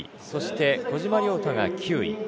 そして、小島良太が９位。